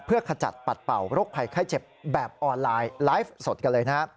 เพื่อขจัดปัดเป่าโรคภัยไข้เจ็บแบบออนไลน์ไลฟ์สดกันเลยนะฮะ